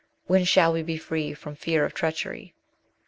When shall we be free from fear of treachery